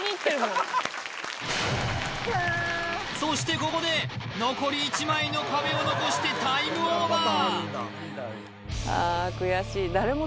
そしてここで残り１枚の壁を残してタイムオーバー！